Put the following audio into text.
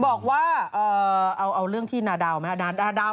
บอกว่าเอาเรื่องที่นาดาวไหมครับ